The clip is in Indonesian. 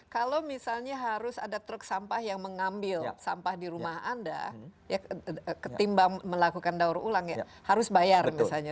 kalau misalnya harus ada truk sampah yang mengambil sampah di rumah anda ketimbang melakukan daur ulang ya harus bayar misalnya